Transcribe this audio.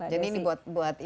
jadi ini buat monitor